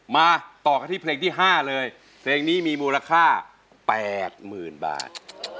มาต่อกันที่เพลงที่ห้าเลยเพลงนี้มีมูลค่าแปดหมื่นบาท